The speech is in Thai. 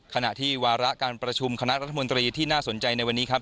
ขณะที่วาระการประชุมคณะรัฐมนตรีที่น่าสนใจในวันนี้ครับ